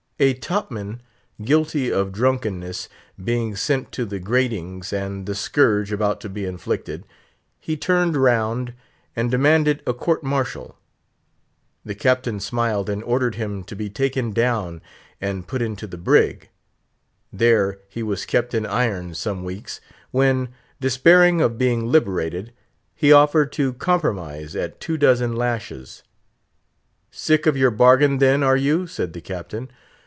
A top man guilty of drunkenness being sent to the gratings, and the scourge about to be inflicted, he turned round and demanded a court martial. The Captain smiled, and ordered him to be taken down and put into the "brig," There he was kept in irons some weeks, when, despairing of being liberated, he offered to compromise at two dozen lashes. "Sick of your bargain, then, are you?" said the Captain.